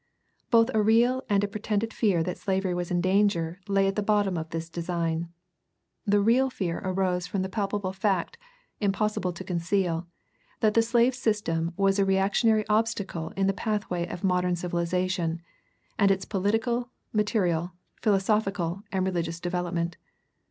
Both a real and a pretended fear that slavery was in danger lay at the bottom of this design. The real fear arose from the palpable fact, impossible to conceal, that the slave system was a reactionary obstacle in the pathway of modern civilization, and its political, material, philosophical, and religious development.